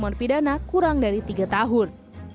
hukuman pidana kurang dari tiga tahun